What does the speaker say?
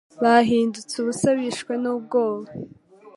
Bahindutse ubusa bishwe n’ubwoba